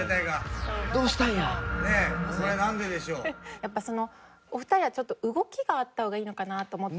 やっぱお二人はちょっと動きがあった方がいいのかなと思って。